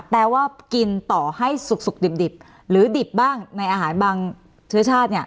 แปลว่ากินต่อให้สุกดิบหรือดิบบ้างในอาหารบางเชื้อชาติ